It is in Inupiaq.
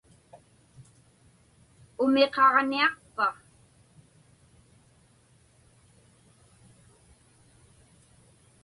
Umiqaġniaqpa?